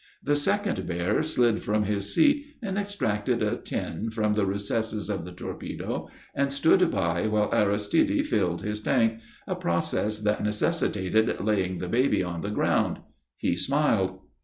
The second bear slid from his seat and extracted a tin from the recesses of the torpedo, and stood by while Aristide filled his tank, a process that necessitated laying the baby on the ground. He smiled.